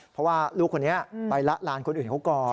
เพราะว่าลูกคนนี้ไปละลานคนอื่นเขาก่อน